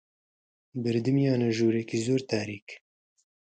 بردیانمە ژوورێکی زۆر تاریک